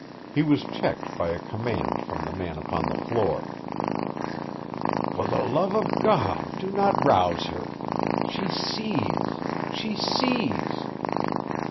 He was checked by a command from the man upon the floor. "For the love of God, do not rouse her. She sees! She sees!"